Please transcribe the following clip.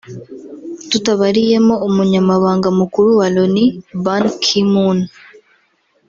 tutabariyemo umunyamabanga mukuru wa Loni Ban Ki-Moon